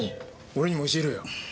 俺にも教えろよ。